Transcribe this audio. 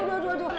aduh aduh aduh